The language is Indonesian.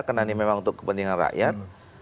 karena ini memang untuk kepentingan rakyat